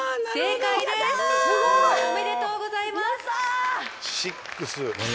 おめでとうございますやった！